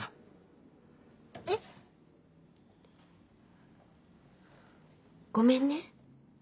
えっ？ごめんね。